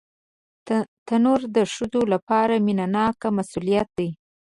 تنور د ښځو لپاره مینهناک مسؤلیت دی